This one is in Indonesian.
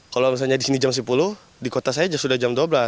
kalau misalnya di sini jam sepuluh di kota saya sudah jam dua belas